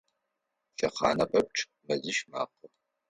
Лъэхъанэ пэпчъ мэзищ мэхъу.